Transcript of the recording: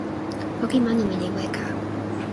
poki mani mi li weka.